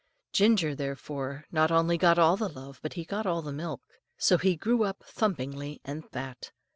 Ginger, therefore, not only got all the love, but he got all the milk; so he grew up thumpingly and fat.